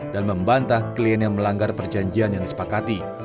dan membantah klien yang melanggar perjanjian yang disepakati